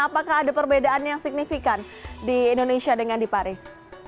apakah ada perbedaan yang signifikan di indonesia dengan di paris